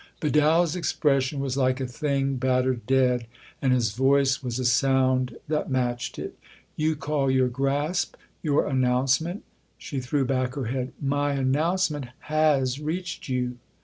Vidal's expression was like a thing battered dead, and his voice was a sound that matched it. " You call your grasp your announcement ?" She threw back her head. " My announcement has reached you